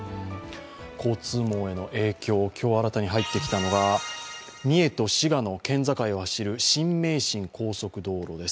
交通網への影響、今日新たに入ってきたのが三重と滋賀の間を走る新名神高速道路です。